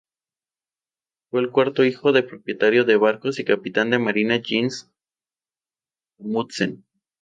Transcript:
Fue el cuarto hijo del propietario de barcos y capitán de Marina Jens Amundsen.